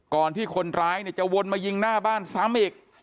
ก่อนที่คนร้ายเนี่ยจะวนมายิงหน้าบ้านซ้ำอีก